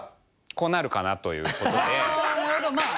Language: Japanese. こうなるかなということであ